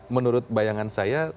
menurut bayangan saya